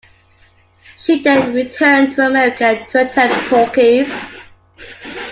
She then returned to America to attempt "talkies".